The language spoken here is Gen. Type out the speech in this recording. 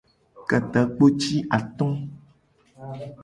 Ka takpo ci ato.